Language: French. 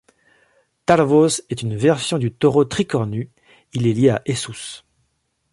Tarvos est une version du taureau tricornu, il est lié à Esus.